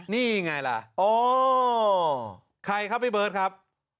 นี่ไงล่ะอ๋อใครครับพี่เบิร์ตครับ